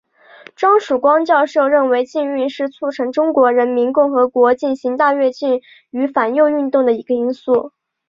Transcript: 张曙光教授认为禁运是促成中华人民共和国进行大跃进与反右运动的一个因素。